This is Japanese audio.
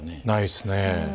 ないですね。